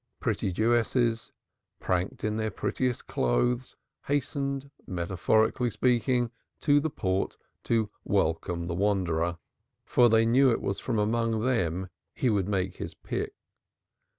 Pretty Jewesses, pranked in their prettiest clothes, hastened, metaphorically speaking, to the port to welcome the wanderer; for they knew it was from among them he would make his pick.